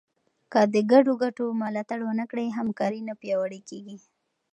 که د ګډو ګټو ملاتړ ونه کړې، همکاري نه پیاوړې کېږي.